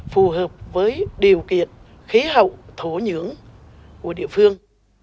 phù hợp với điều kiện khí hậu thố nhưỡng của địa phương